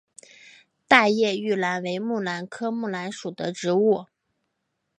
大叶玉兰为木兰科木兰属的植物。